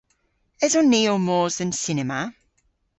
Eson ni ow mos dhe'n cinema?